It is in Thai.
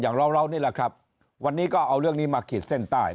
อย่างเราเรานี่แหละครับวันนี้ก็เอาเรื่องนี้มาขีดเส้นใต้